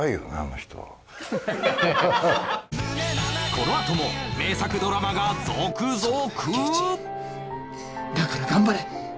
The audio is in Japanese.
このあとも名作ドラマが続々だから頑張れ！